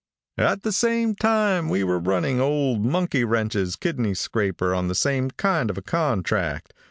"At the same time we were running old Monkeywrench's Kidney Scraper on the same kind of a contract.